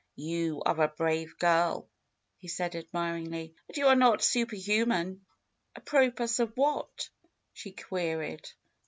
^^You are a brave girl," he said admiringly; '^but you are not super human." Apropos of what?" she queried.